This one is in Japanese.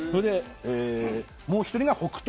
もう１人が北勝